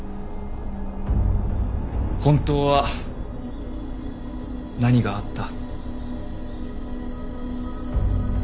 本当は何があった。